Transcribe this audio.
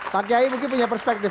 pak kiai mungkin punya perspektif